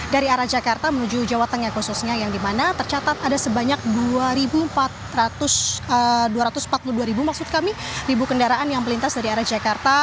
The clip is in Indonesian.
dari arah jakarta menuju jawa tengah khususnya yang dimana tercatat ada sebanyak dua ratus empat puluh dua ribu maksud kami ribu kendaraan yang melintas dari arah jakarta